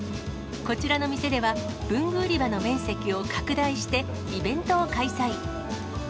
こちらの店では、文具売り場の面積を拡大してイベントを開催。